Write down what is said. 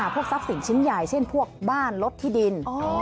พวกทรัพย์สินชิ้นใหญ่เช่นพวกบ้านลดที่ดิน